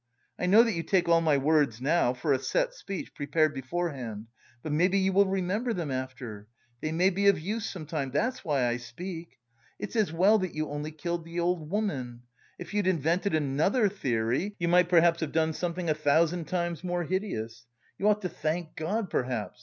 I know that you take all my words now for a set speech prepared beforehand, but maybe you will remember them after. They may be of use some time. That's why I speak. It's as well that you only killed the old woman. If you'd invented another theory you might perhaps have done something a thousand times more hideous. You ought to thank God, perhaps.